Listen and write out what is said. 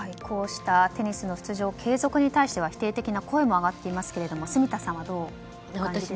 こうしたテニスの出場継続に対しては否定的な声も上がっていますが住田さんはどう思いますか？